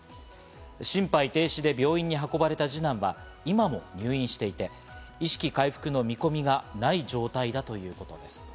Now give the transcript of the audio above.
心肺停止で病院に運ばれた二男は今も入院していて、意識回復の見込みがない状態だということです。